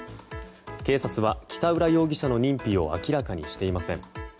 警察は北浦容疑者の認否を明らかにしていません。